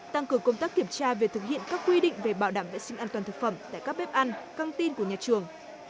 tăng cường công tác kiểm tra việc thực hiện các quy định về bảo đảm vệ sinh an toàn thực phẩm tại các bếp ăn căng tin của nhà trường